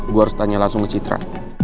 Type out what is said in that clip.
gue harus tanya langsung ke citra